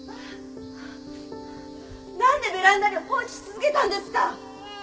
何でベランダに放置し続けたんですか？